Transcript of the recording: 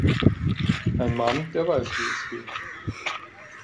Ein Mann, der weiß, wie es geht!